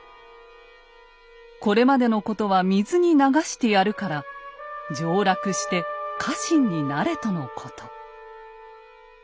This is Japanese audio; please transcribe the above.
これまでのことは水に流してやるから上洛して家臣になれとのこと。